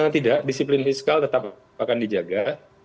tidak disiplin fiskal tetap akan dijaga